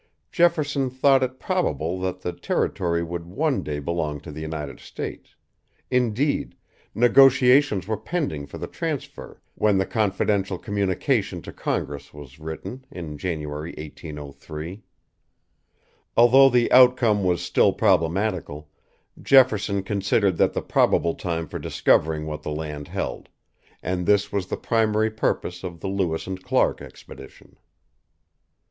Jefferson thought it probable that the territory would one day belong to the United States, indeed, negotiations were pending for the transfer when the "confidential communication" to Congress was written, in January, 1803. Although the outcome was still problematical, Jefferson considered that the proper time for discovering what the land held; and this was the primary purpose of the Lewis and Clark expedition.